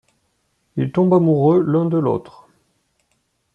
Ils tombent amoureux l'un de l'autre.